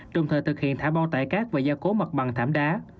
trùng thời thực hiện thả bao tải các và giao cố mặt bằng thảm đá